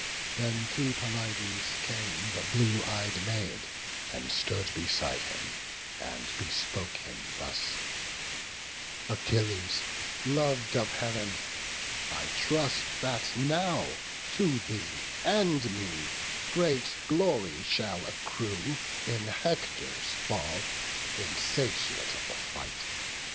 Then to Pelides came the blue ey'd Maid, And stood beside him, and bespoke him thus: "Achilles, lov'd of Heav'n, I trust that now To thee and me great glory shall accrue In Hector's fall, insatiate of the fight.